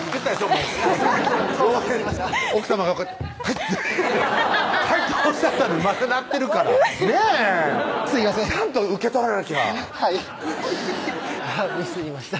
もう奥さまがこうやって「はい」っておっしゃったのにまだ鳴ってるからねぇすいませんちゃんと受け取らなきゃはいミスりました